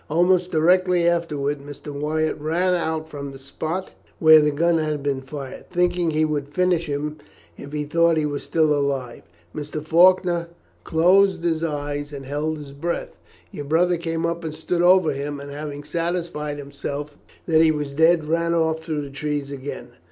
Almost directly afterwards Mr. Wyatt ran out from the spot where the gun had been fired. Thinking he would finish him if he thought he was still alive, Mr. Faulkner closed his eyes and held his breath. Your brother came up and stood over him, and having satisfied himself that he was dead, ran off through the trees again."